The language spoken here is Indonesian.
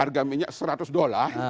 harga minyak seratus dolar